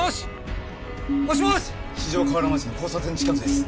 四条河原町の交差点近くです。